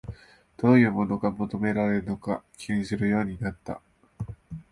どういうものが求められるか気にするようになった